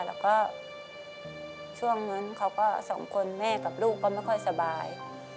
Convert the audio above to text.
แล้วก็ช่วงนั้นเขาก็สองคนแม่กับลูกก็ไม่ค่อยสบาย